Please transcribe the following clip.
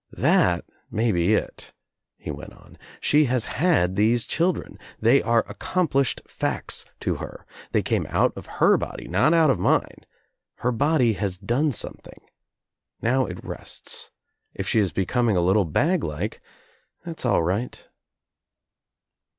"That may be it," he went on. "She has had these children. They are accomplished facts to her. They came out of her body, not out of mine. Her body has done something. Now It rests. If she is becoming a little bag like, that's all right."